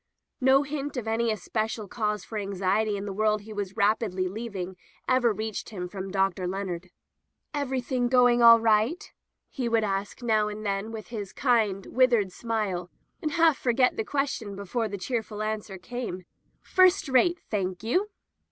No hint of any especial cause for anxiety in the world he was rapidly leav ing ever reached him from Dr. Leonard. "Everything going all right?" he would [ 392 ] Digitized by LjOOQ IC At Ephesus ask now and then with his kind, withered smile, and half forget the question before the cheerful answer came: "First rate, thank you."